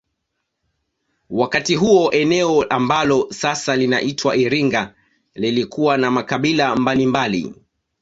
Wakati huo eneo ambalo sasa linaitwa Iringa lilikuwa na makabila mbalimbali